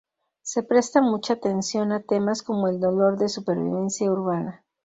Se presta mucha atención a temas como el dolor de supervivencia urbana.